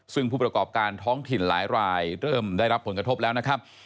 ซึ่งผู้ประกอบการท้องถิ่นหลายรายเริ่มได้รับผลกระทบแล้วนะครับ